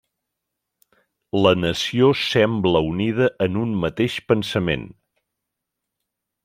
La nació sembla unida en un mateix pensament.